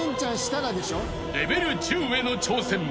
［レベル１０への挑戦